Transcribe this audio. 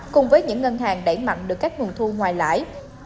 cùng với những ngân hàng đẩy mạnh được các nguồn thu ngoài lãi